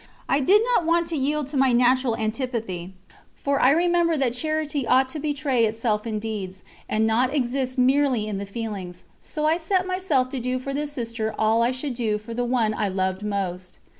I did not want to yield to my natural antipathy, for I remembered that charity ought to betray itself in deeds, and not exist merely in the feelings, so I set myself to do for this sister all I should do for the one I loved most.